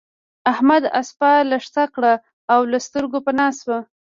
احمد اسپه لښته کړه او له سترګو پنا شو.